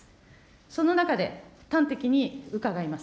その中で端的に伺います。